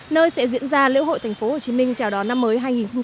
nơi sẽ diễn ra lễ hội thành phố hồ chí minh chào đón năm mới hai nghìn một mươi sáu